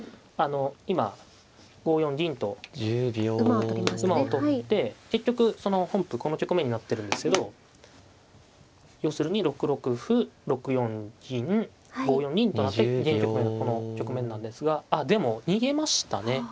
あの今５四銀と馬を取って結局本譜この局面になってるんですけど要するに６六歩６四銀５四銀となって現局面はこの局面なんですがあでも逃げましたね。